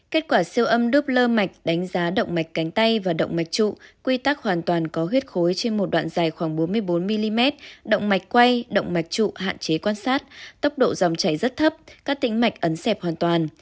kết quả siêu âm đớp lơ mạch đánh giá động mạch cánh tay và động mạch trụ quy tắc hoàn toàn có huyết khối trên một đoạn dài khoảng bốn mươi bốn mm động mạch quay động mạch trụ hạn chế quan sát tốc độ dòng chảy rất thấp các tính mạch ấn dẹp hoàn toàn